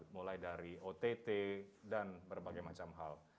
mulai dari ott dan berbagai macam hal